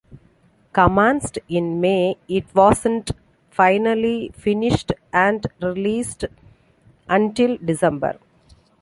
Commenced in May it wasn't finally finished and released until December.